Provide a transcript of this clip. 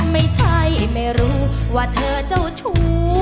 ไม่ใช่ไม่รู้ว่าเธอเจ้าชู้